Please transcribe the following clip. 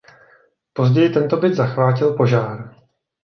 Později tento byt zachvátil požár.